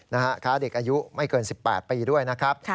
ค้าเด็กอายุไม่เกิน๑๘ปีด้วยนะครับ